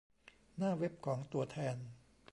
หน้าเว็บของตัวแทน